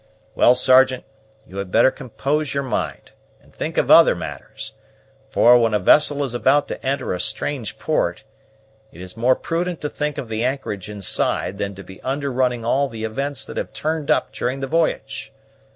Well, Sergeant, you had better compose your mind, and think of other matters; for, when a vessel is about to enter a strange port, it is more prudent to think of the anchorage inside than to be under running all the events that have turned up during the v'y'ge.